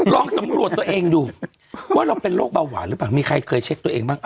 ลองสำรวจตัวเองดูว่าเราเป็นโรคเบาหวานหรือเปล่ามีใครเคยเช็คตัวเองบ้าง